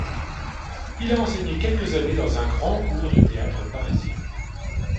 Il a enseigné quelques années dans un grand cours de théâtre parisien.